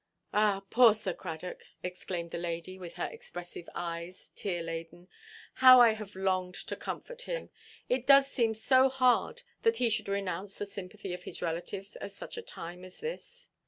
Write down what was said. "Ah, poor Sir Cradock!" exclaimed the lady, with her expressive eyes tear–laden, "how I have longed to comfort him! It does seem so hard that he should renounce the sympathy of his relatives at such a time as this.